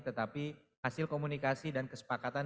tetapi hasil komunikasi dan kesepakatan